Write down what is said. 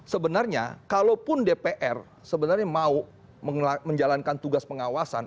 sebenarnya kalaupun dpr sebenarnya mau menjalankan tugas pengawasan